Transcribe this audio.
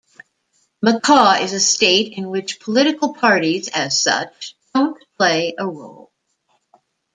Macau is a state in which political parties, as such, don't play a role.